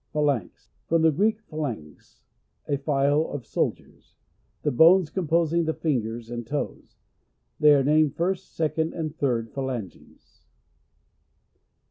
Phalanx. — From the Greek, phalagx, a file of soldiers. The bones com posing the fingers and toes. They are named first, second, and third phalanges.